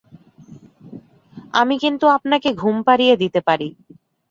আমি কিন্তু আপনাকে ঘুম পাড়িয়ে দিতে পারি।